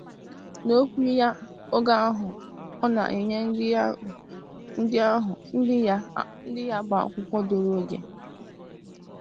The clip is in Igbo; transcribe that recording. N'okwu ya oge ọ na-enye ndị ahụ ya bụ akwụkwọ ndọrọ ego